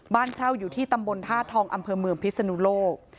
บ้านเช่าอยู่ที่ตำบลท่าทองอำเภอเมืองพิศนุโลก